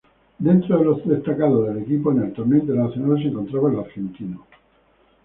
Dentro de los destacados del equipo en el torneo internacional, se encontraba el argentino.